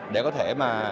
để có thể mà